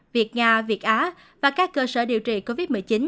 việt nga việt á và các cơ sở điều trị covid một mươi chín